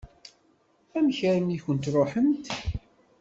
Amek armi i kent-ṛuḥent?